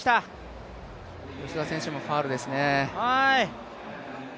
うーん吉田選手もファウルですね。